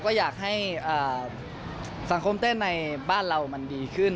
ก็อยากให้สังคมเต้นในบ้านเรามันดีขึ้น